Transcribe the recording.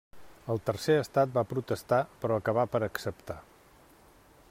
El tercer estat va protestar, però acabà per acceptar.